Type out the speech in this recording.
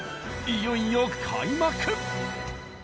いよいよ開幕！